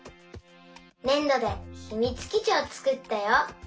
ねんどでひみつきちをつくったよ。